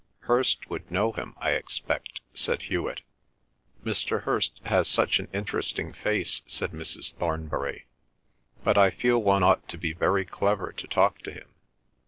"Hirst would know him, I expect," said Hewet. "Mr. Hirst has such an interesting face," said Mrs. Thornbury. "But I feel one ought to be very clever to talk to him.